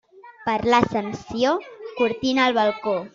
Per l'Ascensió, cortina al balcó.